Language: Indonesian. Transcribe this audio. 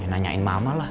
ya nanyain mama lah